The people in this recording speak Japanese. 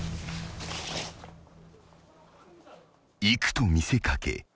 ［行くと見せ掛け